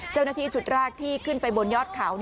เจ้าหน้าที่จุดแรกที่ขึ้นไปบนยอดเขา